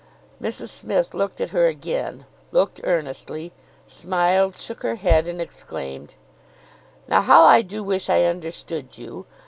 Mrs Smith looked at her again, looked earnestly, smiled, shook her head, and exclaimed— "Now, how I do wish I understood you!